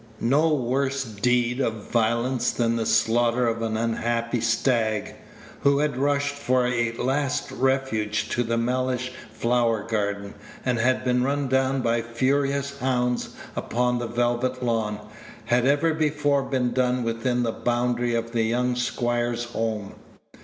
No worse deed of violence than the slaughter of an unhappy stag, who had rushed for a last refuge to the Mellish flower garden, and had been run down by furious hounds upon the velvet lawn, had ever before been done within the boundary of the young squire's home.